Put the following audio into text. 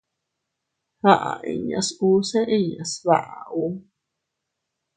Aʼa inñas usse inña sbaʼa ù.